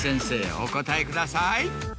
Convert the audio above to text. お答えください。